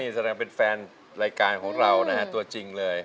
แสดงเป็นแฟนรายการของเรานะฮะตัวจริงเลย